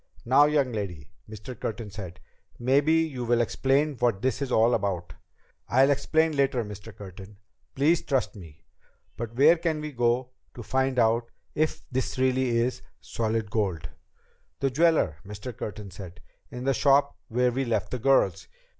"Now, young lady," Mr. Curtin said, "maybe you will explain what this is all about." "I'll explain later, Mr. Curtin. Please trust me. But where can we go to find out if this really is solid gold?" "The jeweler," Mr. Curtin said, "in the shop where we left the girls."